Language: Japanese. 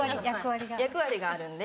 役割があるんで。